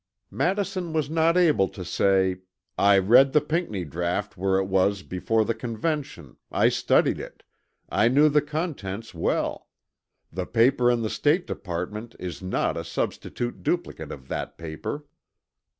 Madison was not able to say, "I read the Pinckney draught when it was before the Convention, I studied it, I knew the contents well; the paper in the State Department is not a substantial duplicate of that paper."